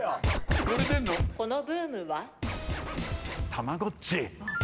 たまごっち。